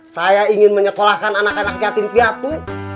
saya ingin menyekolahkan anak anak yatim piatu